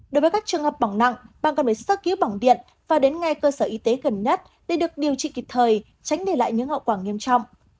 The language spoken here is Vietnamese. đối với các trường hợp bỏng nặng bạn còn phải sơ cứu bỏng điện và đến ngay cơ sở y tế gần nhất để được điều trị kịp thời tránh để lại những hậu quả nghiêm trọng